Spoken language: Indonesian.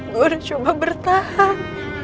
gue udah coba bertahan